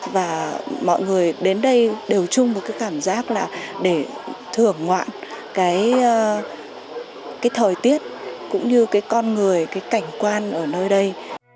và mọi người đến đây đều chung một cái cảm giác là để thưởng ngoạn cái thời tiết cũng như cái con người cái cảnh quan ở nơi đây